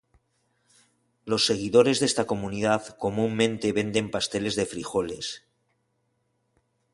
Los seguidores de esta comunidad comúnmente venden pasteles de frijoles.